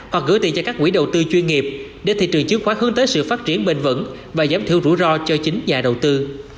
hoặc gửi tiền cho các quỹ đầu tư chuyên nghiệp để thị trường chứng khoán hướng tới sự phát triển bền vững và giảm thiểu rủi ro cho chính nhà đầu tư